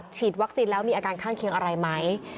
ฉีดวัคซีนแล้วมีอาการข้างเคียงอะไรไหม